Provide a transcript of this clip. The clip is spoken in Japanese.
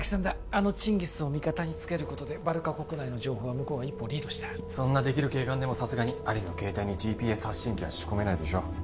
あのチンギスを味方につけることでバルカ国内の情報は向こうが一歩リードしたそんなできる警官でもさすがにアリの携帯にＧＰＳ発信機は仕込めないでしょ